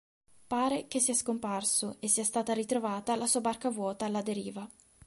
Pare che sia scomparso e sia stata ritrovata la sua barca vuota alla deriva.